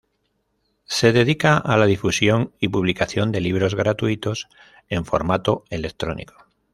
Se dedica a la difusión y publicación de libros gratuitos en formato electrónico.